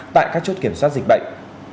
tại các chốt kiểm soát dịch bệnh